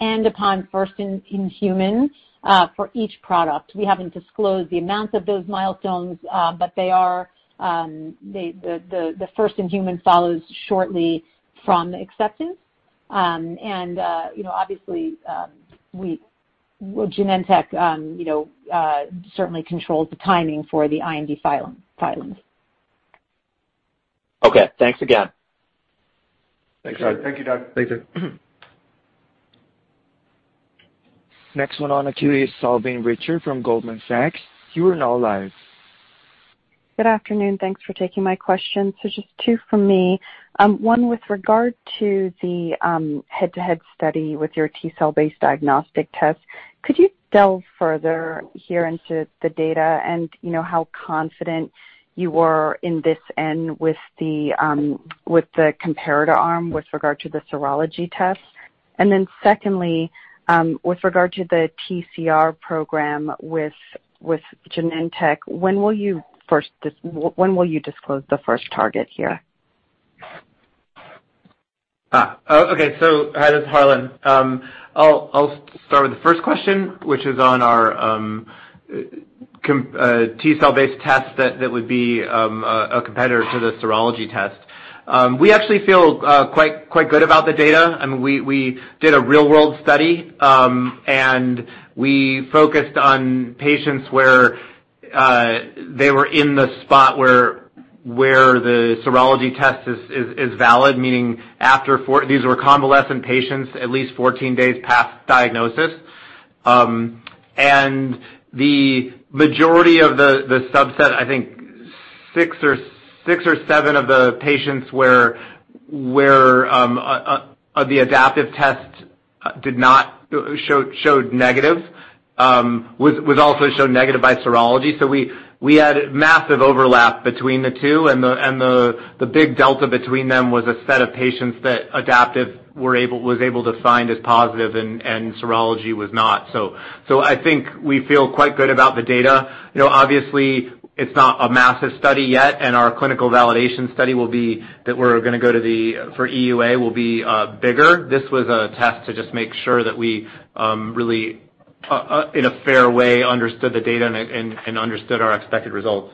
and upon first in humans for each product. We haven't disclosed the amounts of those milestones, but the first in human follows shortly from the acceptance. Obviously Genentech certainly controls the timing for the IND filings. Okay, thanks again. Thanks, Doug. Thank you, Doug. Next one on the queue is Salveen Richter from Goldman Sachs, you are now live. Good afternoon? Thanks for taking my questions. Just two from me. One with regard to the head-to-head study with your T-cell based diagnostic test. Could you delve further here into the data and how confident you were in this end with the comparator arm with regard to the serology test? Secondly, with regard to the TCR program with Genentech, when will you disclose the first target here? Hi, this is Harlan. I'll start with the first question, which is on our T-cell based test that would be a competitor to the serology test. We actually feel quite good about the data. We did a real-world study, and we focused on patients where they were in the spot where the serology test is valid, meaning these were convalescent patients, at least 14 days past diagnosis. The majority of the subset, I think six or seven of the patients where the Adaptive test showed negative, was also showed negative by serology. We had massive overlap between the two, and the big delta between them was a set of patients that Adaptive was able to find as positive and serology was not. I think we feel quite good about the data. It's not a massive study yet, and our clinical validation study that we're going to go for EUA will be bigger. This was a test to just make sure that we really, in a fair way, understood the data and understood our expected results.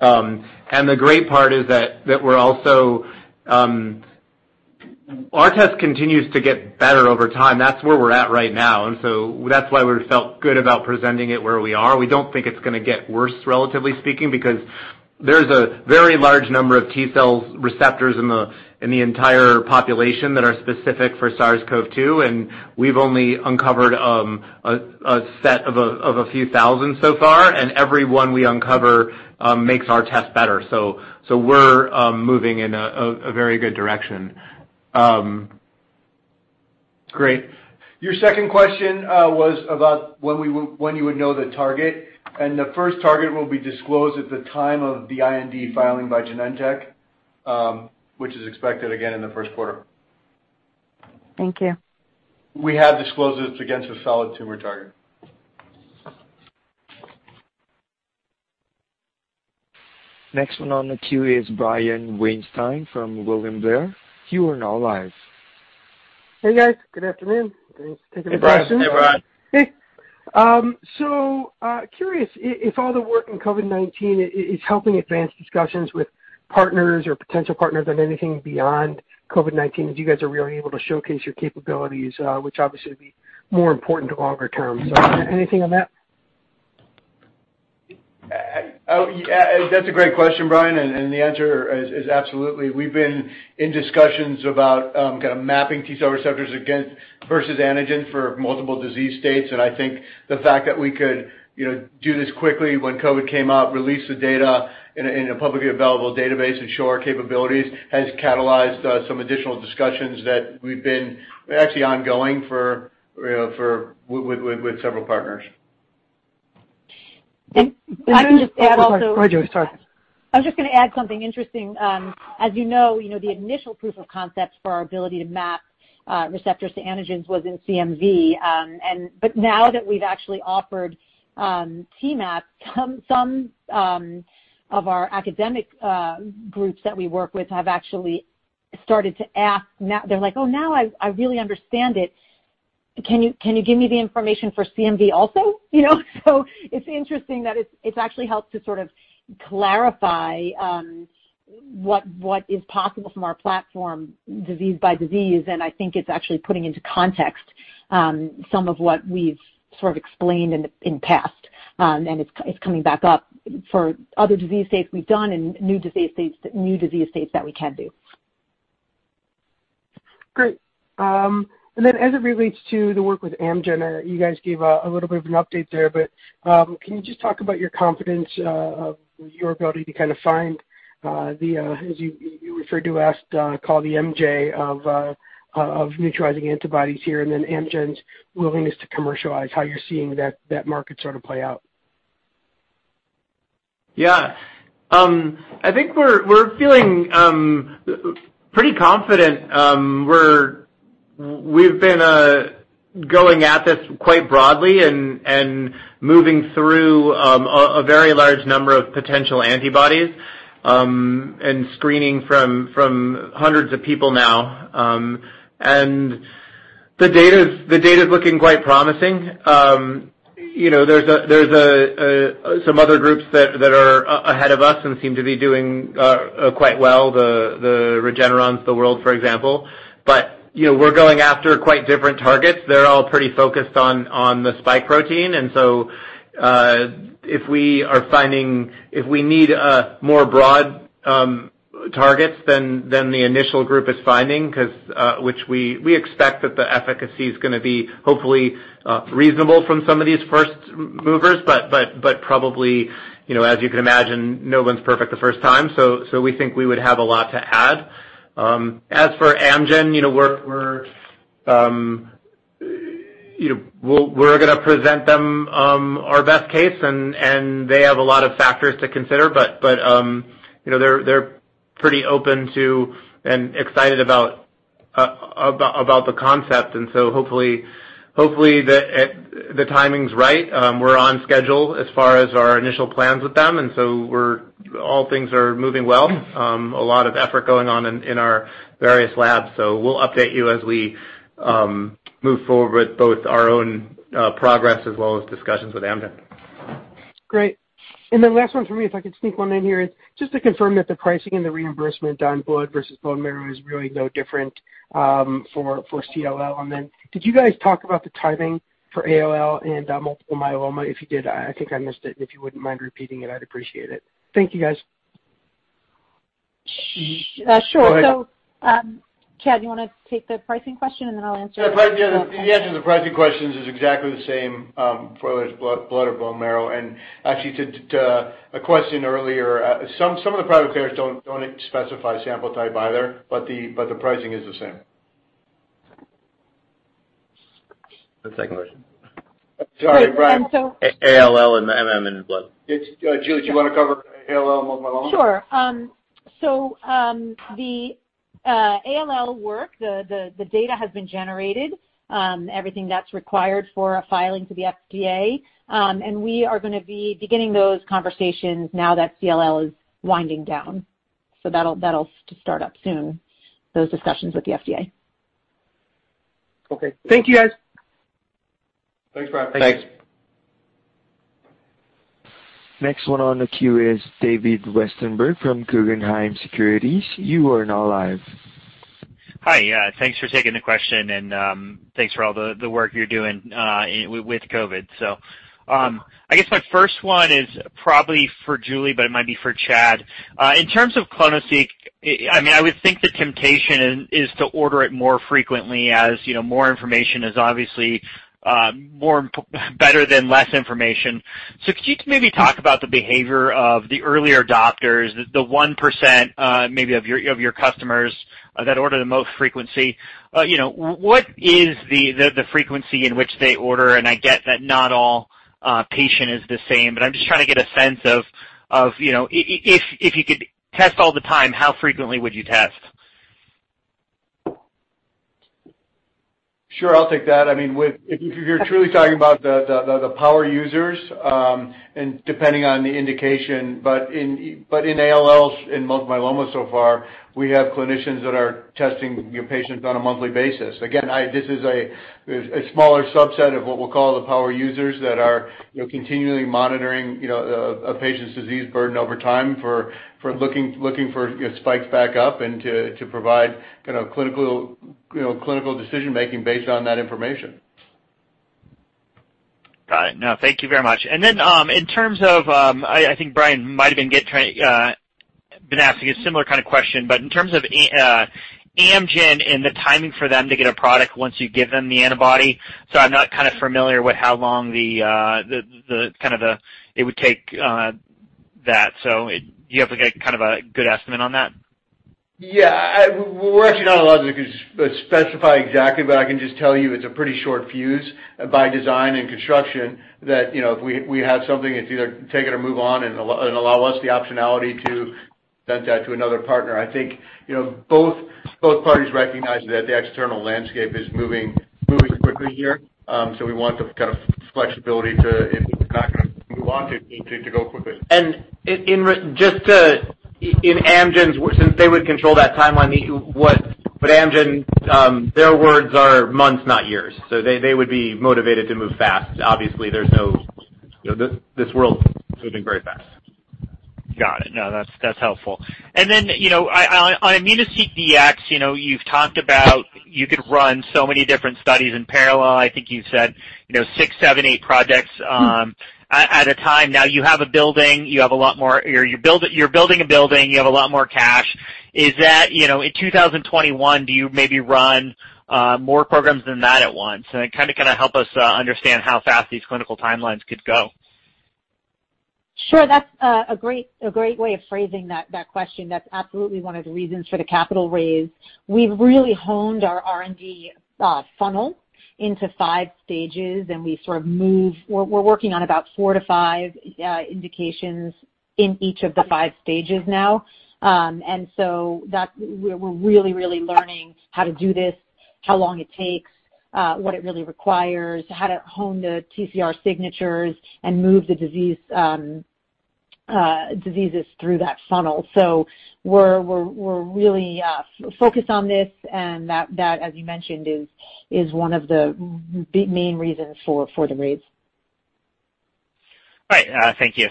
The great part is that our test continues to get better over time. That's where we're at right now, that's why we felt good about presenting it where we are. We don't think it's going to get worse, relatively speaking, because there's a very large number of T-cell receptors in the entire population that are specific for SARS-CoV-2, and we've only uncovered a set of a few thousand so far, and every one we uncover makes our test better. We're moving in a very good direction. Great. Your second question was about when you would know the target. The first target will be disclosed at the time of the IND filing by Genentech, which is expected again in the first quarter. Thank you. We have disclosed it's against a solid tumor target. Next one on the queue is Brian Weinstein from William Blair, you are now live. Hey, guys. Good afternoon? Thanks. Hey, Brian. Hey, Brian. Hey. Curious if all the work in COVID-19 is helping advance discussions with partners or potential partners on anything beyond COVID-19, as you guys are really able to showcase your capabilities, which obviously would be more important longer term. Anything on that? That's a great question, Brian, and the answer is absolutely. We've been in discussions about mapping T-cell receptors versus antigens for multiple disease states. I think the fact that we could do this quickly when COVID came out, release the data in a publicly available database and show our capabilities has catalyzed some additional discussions that we've been actually ongoing with several partners. And I can just add also- Go ahead, Julie. Sorry. I'm just going to add something interesting. As you know, the initial proof of concepts for our ability to map receptors to antigens was in CMV. Now that we've actually offered T-MAP, some of our academic groups that we work with have actually started to ask now. They're like, Oh, now I really understand it. Can you give me the information for CMV also? It's interesting that it's actually helped to sort of clarify what is possible from our platform disease by disease. I think it's actually putting into context some of what we've sort of explained in the past. It's coming back up for other disease states we've done and new disease states that we can do. Great. As it relates to the work with Amgen, you guys gave a little bit of an update there, but can you just talk about your confidence of your ability to find the, as you referred to last call, the of neutralizing antibodies here, and then Amgen's willingness to commercialize how you're seeing that market sort of play out? Yeah. I think we're feeling pretty confident. We've been going at this quite broadly and moving through a very large number of potential antibodies and screening from hundreds of people now. The data's looking quite promising. There's some other groups that are ahead of us and seem to be doing quite well, the Regeneron of the world, for example. We're going after quite different targets. They're all pretty focused on the spike protein. If we need more broad targets than the initial group is finding, which we expect that the efficacy is going to be hopefully reasonable from some of these first movers. Probably, as you can imagine, no one's perfect the first time. We think we would have a lot to add. As for Amgen, we're going to present them our best case, and they have a lot of factors to consider. They're pretty open to and excited about the concept. Hopefully, the timing's right. We're on schedule as far as our initial plans with them, and so all things are moving well. A lot of effort going on in our various labs. We'll update you as we move forward both our own progress as well as discussions with Amgen. Great. Last one from me, if I could sneak one in here, just to confirm that the pricing and the reimbursement on blood versus bone marrow is really no different for CLL. Did you guys talk about the typing for ALL and multiple myeloma? If you did, I think I missed it. If you wouldn't mind repeating it, I'd appreciate it. Thank you, guys. Sure. Go ahead. Chad, you want to take the pricing question, and then I'll answer. Yeah. The answer to the pricing questions is exactly the same, whether it's blood or bone marrow. Actually, to a question earlier, some of the private payers don't specify sample type either, but the pricing is the same. The second question? Sorry, Brian. ALL and MM and blood. Julie, do you want to cover ALL and multiple myeloma? Sure. The ALL work, the data has been generated everything that's required for a filing to the FDA. We are going to be beginning those conversations now that CLL is winding down. That'll start up soon, those discussions with the FDA. Okay. Thank you, guys. Thanks, Brian. Thanks. Next one on the queue is David Westenberg from Guggenheim Securities, you are now live. Hi. Thanks for taking the question, and thanks for all the work you're doing with COVID-19. I guess my first one is probably for Julie, but it might be for Chad. In terms of clonoSEQ, I would think the temptation is to order it more frequently, as more information is obviously better than less information. Could you maybe talk about the behavior of the earlier adopters, the 1% maybe of your customers that order the most frequency? What is the frequency in which they order? I get that not all patient is the same, but I'm just trying to get a sense of, if you could test all the time, how frequently would you test? Sure. I'll take that. If you're truly talking about the power users, depending on the indication, but in ALL, in multiple myeloma so far, we have clinicians that are testing their patients on a monthly basis. Again, this is a smaller subset of what we'll call the power users that are continually monitoring a patient's disease burden over time, looking for spikes back up and to provide clinical decision-making based on that information. Got it. No, thank you very much. I think Brian might have been asking a similar kind of question, but in terms of Amgen and the timing for them to get a product once you give them the antibody. I'm not familiar with how long it would take that, do you have a good estimate on that? Yeah. We're actually not allowed to specify exactly, but I can just tell you it's a pretty short fuse by design and construction that, if we have something, it's either take it or move on and allow us the optionality to send that to another partner. I think both parties recognize that the external landscape is moving quickly here. We want the flexibility to, if it's not going to move on, to go quickly. Just to, in Amgen's, since they would control that timeline, Amgen, their words are months, not years. They would be motivated to move fast. Obviously, this world is moving very fast. Got it. No, that's helpful. Then, on immunoSEQ Dx, you've talked about you could run so many different studies in parallel. I think you said 6, 7, 8 projects at a time. Now you have a building, you're building a building, you have a lot more cash. In 2021, do you maybe run more programs than that at once? Help us understand how fast these clinical timelines could go. Sure. That's a great way of phrasing that question. That's absolutely one of the reasons for the capital raise. We've really honed our R&D funnel into five stages, we're working on about four to five indications in each of the five stages now. We're really learning how to do this, how long it takes, what it really requires, how to hone the TCR signatures, and move the diseases through that funnel. We're really focused on this, and that, as you mentioned, is one of the main reasons for the raise. All right. Thank you.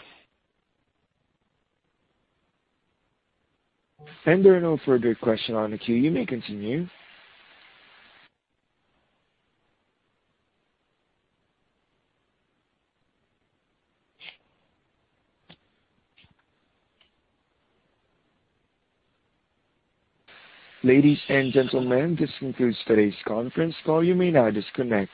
There are no further questions on the queue. You may continue. Ladies and gentlemen, this concludes today's conference call, you may now disconnect.